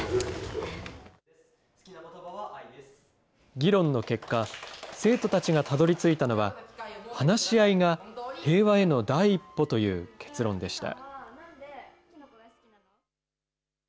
議論の結果、生徒たちがたどりついたのは、話し合いが平和への第一歩という結論でした。